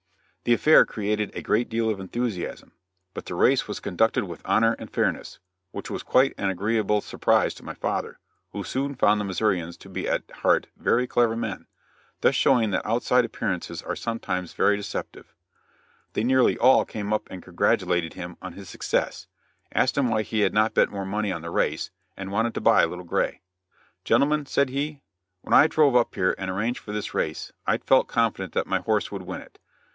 The affair created a great deal of enthusiasm; but the race was conducted with honor and fairness, which was quite an agreeable surprise to my father, who soon found the Missourians to be at heart very clever men thus showing that outside appearances are sometimes very deceptive; they nearly all came up and congratulated him on his success, asked him why he had not bet more money on the race, and wanted to buy Little Gray. "Gentlemen," said he, "when I drove up here and arranged for this race, I felt confident that my horse would win it.